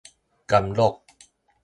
干樂